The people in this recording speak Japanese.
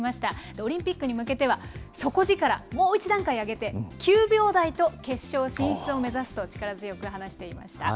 オリンピックに向けては、底力、もう一段階上げて、９秒台と決勝進出を目指すと力強く話していました。